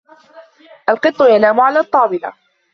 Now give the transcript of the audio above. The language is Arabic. القط ينام على الطاولة.